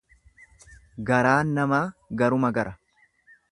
Garaan namaa garuma gara.